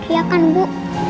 iya kan bu